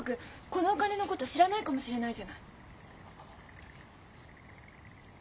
このお金のこと知らないかもしれないじゃない。